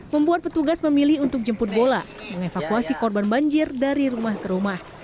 membuat petugas memilih untuk jemput bola mengevakuasi korban banjir dari rumah ke rumah